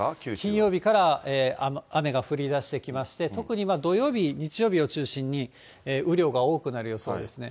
金曜日から雨が降りだしてきまして、特に土曜日、日曜日を中心に、雨量が多くなる予想ですね。